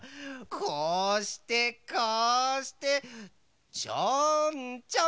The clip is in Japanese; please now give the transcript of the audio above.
こうしてこうしてチョンチョンと。